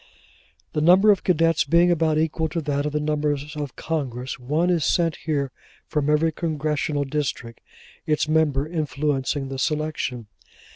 The number of cadets being about equal to that of the members of Congress, one is sent here from every Congressional district: its member influencing the selection.